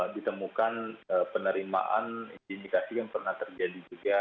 ditemukan penerimaan indikasi yang pernah terjadi juga